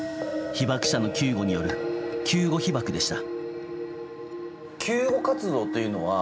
被爆者の救護による救護被爆でした。